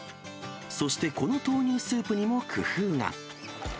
そして、この豆乳スープにも工夫が。